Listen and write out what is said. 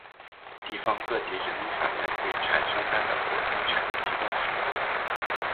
地方各级人民法院对产生它的国家权力机关负责。